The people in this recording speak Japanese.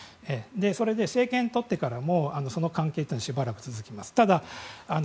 それで政権をとってからもその関係がしばらく続きます。